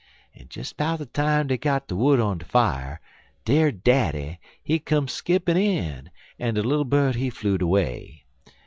"En des 'bout de time dey got de wood on de fier, der daddy, he come skippin' in, en de little bird, he flew'd away.